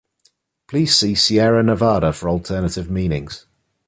Please see Sierra Nevada for alternative meanings.